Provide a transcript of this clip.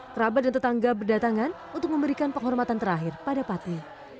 kerabat dan tetangga berdatangan untuk memberikan penghormatan terakhir pada patmi